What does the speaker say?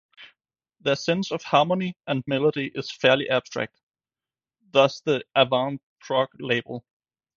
Their sense of harmony and melody is fairly abstract, thus the avant-prog label.